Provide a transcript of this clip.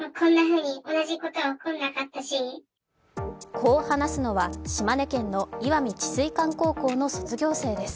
こう話すのは島根県の石見智翠館高校の卒業生です。